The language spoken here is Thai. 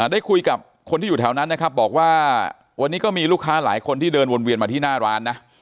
ได้คุยกับคนที่อยู่แถวนั้นนะครับบอกว่าวันนี้ก็มีลูกค้าหลายคนที่เดินวนเวียนมาที่หน้าร้านนะ